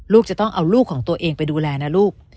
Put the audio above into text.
ลูกจะต้องเอาลูกของตัวเองไปดูแลนะลูก